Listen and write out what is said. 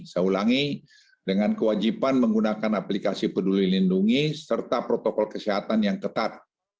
saya ulangi dengan kewajiban menggunakan aplikasi peduli lindungi serta protokol kesehatan yang ketat